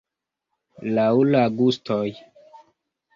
Laŭ la gustoj.